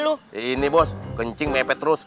aduh ini bos kencing mepet terus